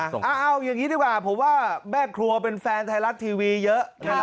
เอาอย่างนี้ดีกว่าผมว่าแม่ครัวเป็นแฟนไทยรัฐทีวีเยอะ